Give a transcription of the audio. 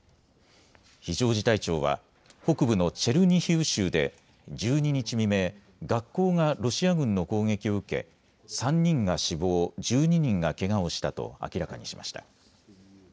非常事態庁は北部のチェルニヒウ州で１２日未明、学校がロシア軍の攻撃を受け３人が死亡、１２人がけがをしたと明らかにしました。